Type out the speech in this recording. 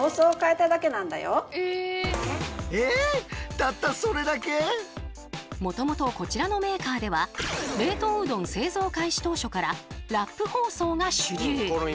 でもそれだと実はもともとこちらのメーカーでは冷凍うどん製造開始当初からラップ包装が主流。